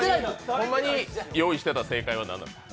ほんまに用意してた正解は何なんですか？